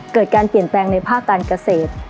เกิดการเปลี่ยนแปลงในภาคการเกษตร